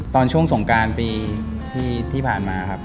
ตอนช่วงสงการปีที่ผ่านมาครับ